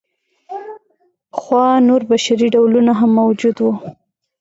پخوا نور بشري ډولونه هم موجود وو.